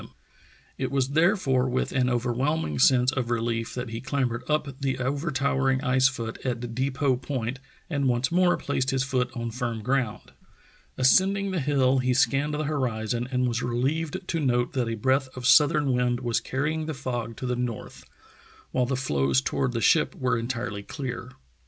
Parr's Lonely March 263 It was therefore with an overwhelming sense of re lief that he clambered up the overtowering ice foot at Depot Point and once more placed his foot on hrm ground. Ascending the hill he scanned the horizon and was relieved to note that a breath of southern wind was carrying the fog to the north, while the floes toward the ship were entirely clear.